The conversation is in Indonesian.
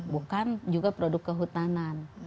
bukan juga produk kehutanan